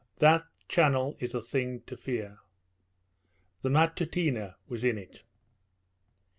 That channel is a thing to fear. The Matutina was in it.